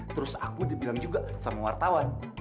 terus aku udah bilang juga sama wartawan